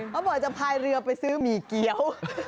เขาบอกจะพายเรือไปซื้อหมี่เกี้ยว